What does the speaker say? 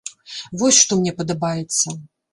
Вось што мне падабаецца.